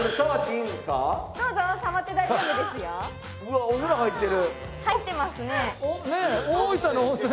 いやお風呂入ってる。